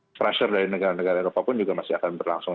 stressor dari negara negara eropa pun juga masih akan berlangsung